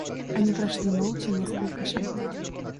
Они прошли молча несколько шагов.